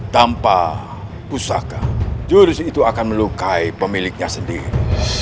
tanpa pusaka jurus itu akan melukai pemiliknya sendiri